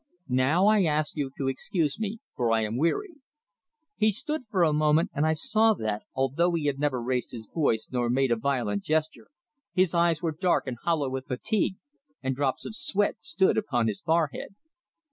Now I ask you to excuse me, for I am weary." He stood for a moment, and I saw that, although he had never raised his voice nor made a violent gesture, his eyes were dark and hollow with fatigue, and drops of sweat stood upon his forehead.